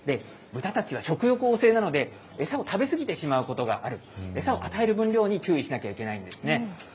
ブタたちは食欲旺盛なので、餌を食べ過ぎてしまうことがある、餌を与える分量に注意しなきゃいけないんですね。